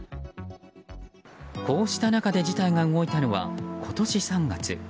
こうした中で事態が動いたのが今年３月。